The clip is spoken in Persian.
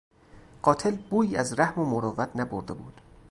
قاتل بویی از رحم و مروت نبرده بود.